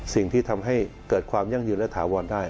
สิ่งที่ทำให้เกิดความยั่งยืนและถาวรได้